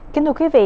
kính thưa quý vị